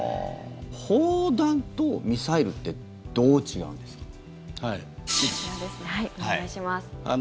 砲弾とミサイルってどう違うんですか？